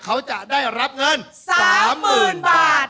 เขาจะได้รับเงิน๓๐๐๐บาท